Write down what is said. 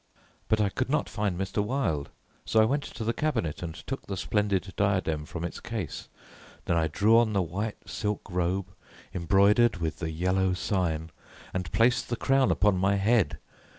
but I could not find Mr. Wilde, so I went to the cabinet and took the splendid diadem from its case. Then I drew on the white silk robe, embroidered with the Yellow Sign, and placed the crown upon my head.